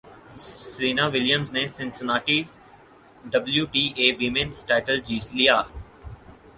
Serena Williams نے Cincinnati W T A women's title جیت لیا